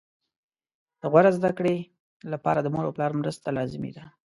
د غوره زده کړې لپاره د مور او پلار مرسته لازمي ده